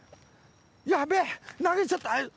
やべえ投げちゃった。